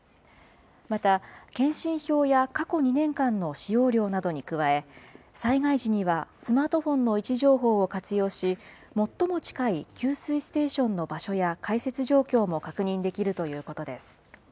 また、検針票や過去２年間の使用量などに加え、災害時には、スマートフォンの位置情報を活用し、最も近い給水ステーションの場所や開設状況も確認できるということです。